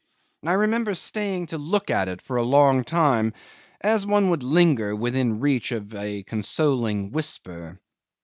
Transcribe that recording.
I remember staying to look at it for a long time, as one would linger within reach of a consoling whisper.